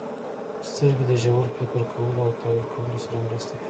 • سترګې د ژور فکر کولو او تحلیل کولو سره مرسته کوي.